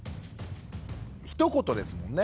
ひと言ですもんね。